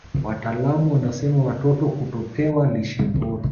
wataalamu wanasema watoto kutopewa lishe bora